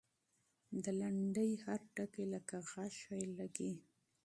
د لنډۍ هر توری لکه غشی لګي.